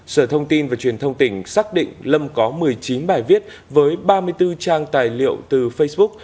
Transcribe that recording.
sở thông tin và truyền thông tỉnh xác định lâm có một mươi chín bài viết với ba mươi bốn trang tài liệu từ facebook